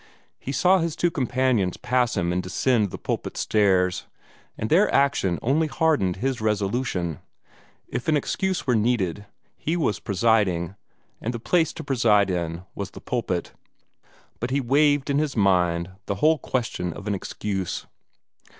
He saw his two companions pass him and descend the pulpit stairs, and their action only hardened his resolution. If an excuse were needed, he was presiding, and the place to preside in was the pulpit. But he waived in his mind the whole question of an excuse.